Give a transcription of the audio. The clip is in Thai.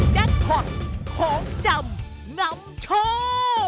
แจ็คพอร์ตของจำนำโชว์